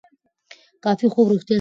کافي خوب روغتیا ساتي.